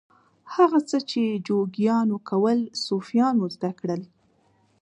هغه څه چې جوګیانو کول صوفیانو زده کړل.